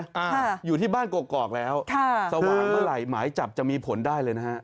อ่าอยู่ที่บ้านกรอกกอกแล้วค่ะสว่างเมื่อไหร่หมายจับจะมีผลได้เลยนะฮะ